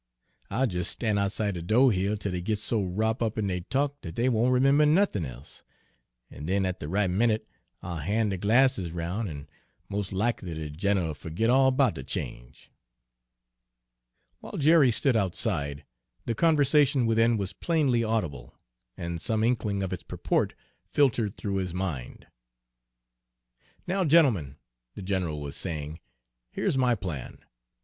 I'll jes' stan' outside de do' here till dey gits so wrop' up in deir talk dat dey won' 'member nothin' e'se, an' den at de right minute I'll ban' de glasses 'roun, an' moa' lackly de gin'l 'll fergit all 'bout de change." While Jerry stood outside, the conversation within was plainly audible, and some inkling of its purport filtered through his mind. "Now, gentlemen," the general was saying, "here's my plan.